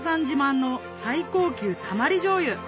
自慢の最高級たまり醤油